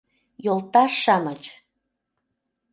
Йолташ-шамыч!